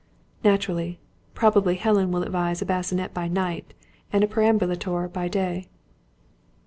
"Naturally. Probably Helen will advise a bassinet by night, and a perambulator by day."